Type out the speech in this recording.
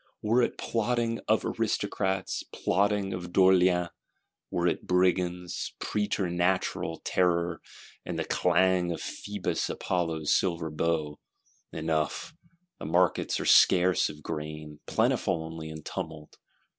Were it plotting of Aristocrats, plotting of d'Orléans; were it Brigands, preternatural terror, and the clang of Phoebus Apollo's silver bow,—enough, the markets are scarce of grain, plentiful only in tumult.